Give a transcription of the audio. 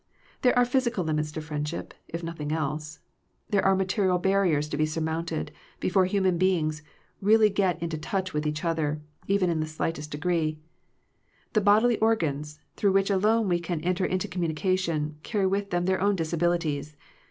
There are physical limits to friendship, if nothing else. There are material bar riers to be surmounted, before human beings really get into touch with each other, even in the slightest degree. The bodily organs, through which alone we can enter into communication, carry with them their own disabilities.